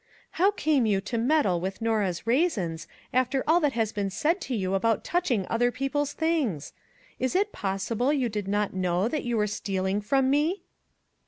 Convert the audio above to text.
" How came you to meddle with Norah's raisins, after all that has been said to you about touching other people's things? Is it possible you did not know that you were stealing from me!"